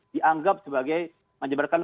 dianggap sebagai menyebarkan